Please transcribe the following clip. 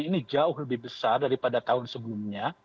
ini jauh lebih besar daripada tahun sebelumnya